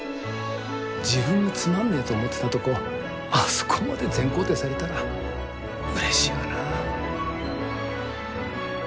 自分のつまんねえと思ってたとこあそこまで全肯定されたらうれしいわな。